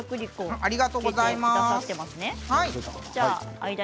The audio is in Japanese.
ありがとうございます。